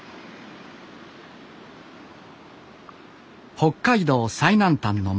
北海道最南端の町